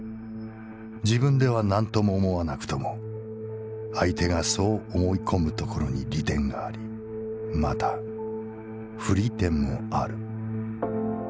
自分では何とも思はなくとも相手がそう思い込む所に利点があり又不利点もある」。